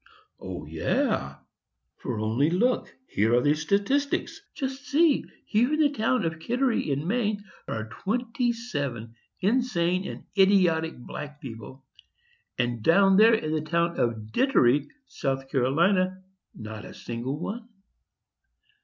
"O yes! for only look; here are the statistics. Just see; here in the town of Kittery, in Maine, are twenty seven insane and idiotic black people, and down here in the town of Dittery, South Carolina, not a single one.